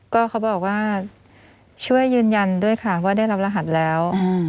ก็เขาบอกว่าช่วยยืนยันด้วยค่ะว่าได้รับรหัสแล้ว